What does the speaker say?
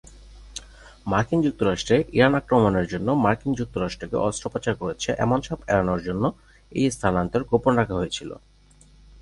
মার্কিন যুক্তরাষ্ট্রে ইরান আক্রমণের জন্য মার্কিন যুক্তরাষ্ট্রকে অস্ত্রোপচার করছে এমন ছাপ এড়ানোর জন্য এই স্থানান্তর গোপন রাখা হয়েছিল।